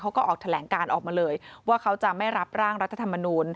เขาก็ออกแถลงการออกมาเลยว่าเขาจะไม่รับร่างรัฐธรรมนูล